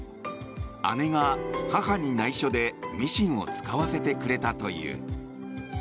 姉が、母に内緒でミシンを使わせてくれたという。